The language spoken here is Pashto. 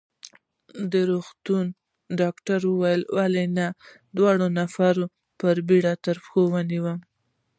د روغتون ډاکټر وویل: ولې نه، دوو نفرو په بېړه تر پښه ونیولم.